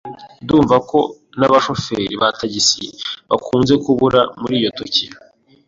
Ndumva ko nabashoferi ba tagisi bakunze kubura muri Tokiyo.